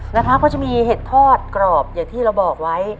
เขาก็มีเผ็ดทอดกรอบอย่างที่เราบอกไว้